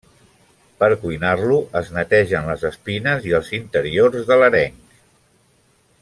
Per cuinar-lo, es netegen les espines i els interiors de l'areng.